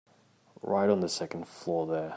Right on the second floor there.